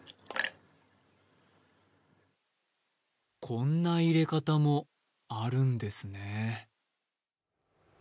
こんな入れ方もあるんですね。